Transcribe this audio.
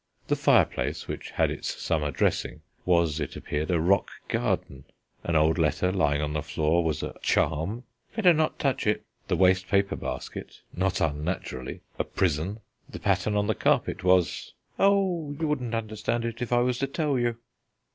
The fireplace, which had its summer dressing, was, it appeared, a rock garden; an old letter lying on the floor was a charm ("Better not touch it"); the waste paper basket (not unnaturally) a prison; the pattern on the carpet was "Oh, you wouldn't understand it if I was to tell you."